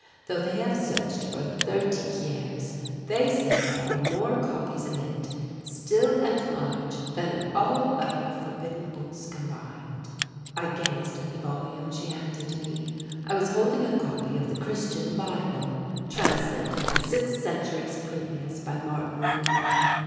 Though they have searched for thirty years, they say there are more copies of it still at large than of all other forbidden books combined." I gazed at the volume she handed me I was holding a copy of the Christian Bible translated six centuries previous by Martin Luther.